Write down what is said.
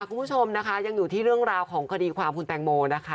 คุณผู้ชมนะคะยังอยู่ที่เรื่องราวของคดีความคุณแตงโมนะคะ